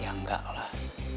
ya enggak lah